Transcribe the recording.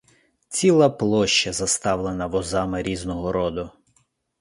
Ціла площа заставлена возами різного роду.